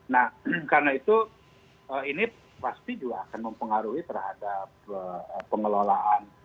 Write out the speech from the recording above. nah karena itu ini pasti juga akan mempengaruhi terhadap pengelolaan